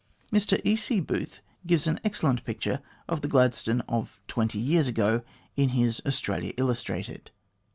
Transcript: Mr E. C. Booth gives an excellent picture of the Glad stone of twenty years ago in his " Australia Illustrated."